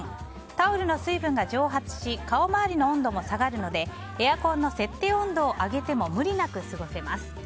タオルの水分が蒸発し顔回りの温度も下がるのでエアコンの設定温度を上げても無理なく過ごせます。